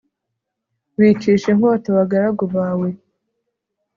bicisha inkota abagaragu bawe